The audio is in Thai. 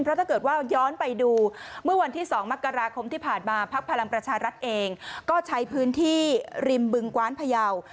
เพราะถ้าเกิดว่าย้อนไปดูเมื่อวันที่๒มกราคมที่ผ่านมาพักพลังประชารัฐเองก็ใช้พื้นที่ริมบึงกว้านพยาว